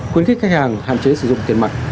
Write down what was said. khuyến khích khách hàng hạn chế sử dụng tiền mặt